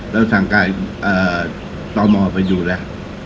เราสั่งตามอไปดูแล